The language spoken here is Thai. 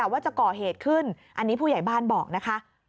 ว่าจะก่อเหตุขึ้นอันนี้ผู้ใหญ่บ้านบอกนะคะ